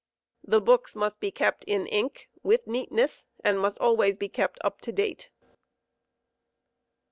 The books must be kept in ink, with neatness, and must always be kept up to date.